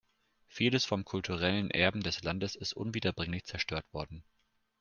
Vieles vom kulturellen Erben des Landes ist unwiederbringlich zerstört worden.